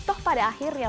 toh pada akhirnya